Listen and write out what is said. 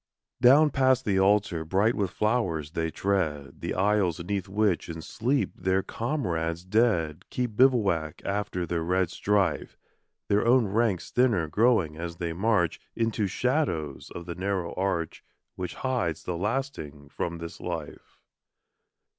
Down past the altar, bright with flowers, they tread The aisles 'neath which in sleep their comrades dead Keep bivouac after their red strife, Their own ranks thinner growing as they march Into the shadows of the narrow arch Which hides the lasting from this life.